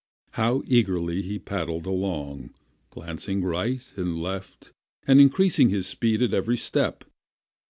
How eagerly he paddled along, glancing right and left, and increasing his speed at every step!